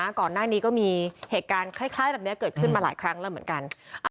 ก่อนหน้านี้ก็มีเหตุการณ์คล้ายแบบนี้เกิดขึ้นมาหลายครั้งแล้วเหมือนกัน